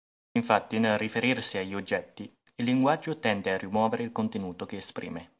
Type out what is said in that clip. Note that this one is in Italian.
Infatti nel riferirsi agli oggetti, il linguaggio tende a rimuovere il contenuto che esprime.